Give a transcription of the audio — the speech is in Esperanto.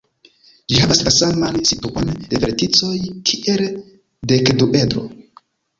Ĝi havas la saman situon de verticoj kiel dekduedro.